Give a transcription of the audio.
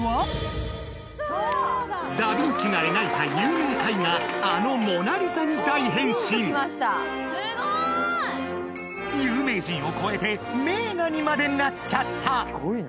ダ・ヴィンチが描いた有名絵画あの「モナ・リザ」に大変身有名人を超えて名画にまでなっちゃった